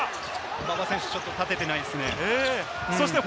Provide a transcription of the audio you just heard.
馬場選手、ちょっと立てていないですね。